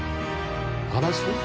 ガラス？